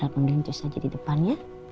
tunggu rena di depan ya